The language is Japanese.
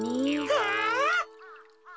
はあ！？